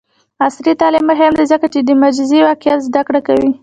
عصري تعلیم مهم دی ځکه چې د مجازی واقعیت زدکړه کوي.